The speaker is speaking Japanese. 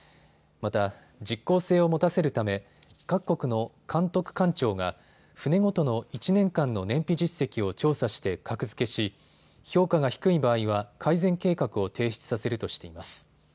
また、実効性を持たせるため各国の監督官庁が船ごとの１年間の燃費実績を調査して格付けし評価が低い場合は改善計画を提出させるとしています。